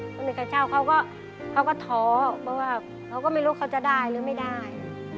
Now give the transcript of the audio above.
คนอื่นกับเช่าเขาก็ท้อเพราะว่าเขาก็ไม่รู้เขาจะได้หรือไม่ได้